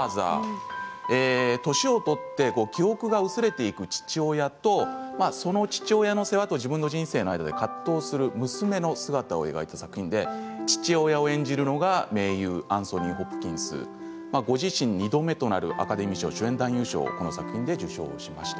年を取って記憶が薄れていく父親とその父親の世話と自分の人生の間で葛藤する娘の姿を描いた作品で父親を演じるのは名優、アンソニー・ホプキンスご自身２度目となるアカデミー賞主演男優賞を受賞しました。